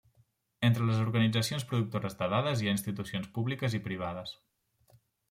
Entre les organitzacions productores de dades hi ha institucions públiques i privades.